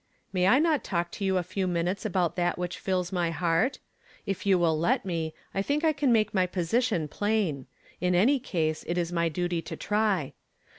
" May I not talk to you a few minutes about that which fills my heart? If you will let me, I think I can make my position plain; in any case, it is my duty to try.